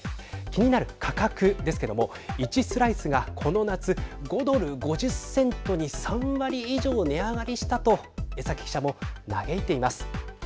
気になる価格ですけども１スライスが、この夏５ドル５０セントに３割以上値上がりしたと江崎記者も嘆いています。